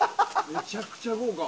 めちゃくちゃ豪華！